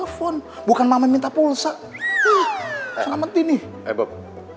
omong gini aja lu di tempat ini alah